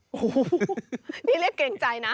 โอ้โหนี่เรียกเกรงใจนะ